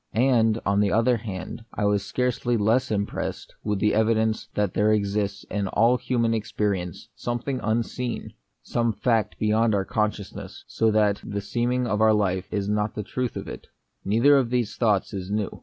And, on the other hand, I was scarcely less impressed with the evidence that there exists in all human experience something unseen, some fact beyond our con sciousness, so that the seeming of our life is not the truth of it. Neither of these thoughts is new.